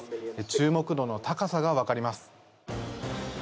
注目度の高さがわかります。